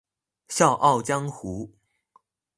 笑傲江湖